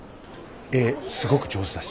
絵すごく上手だし。